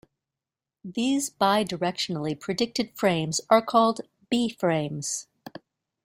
These bidirectionally predicted frames are called "B-frames".